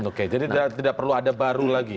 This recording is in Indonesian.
oke jadi tidak perlu ada baru lagi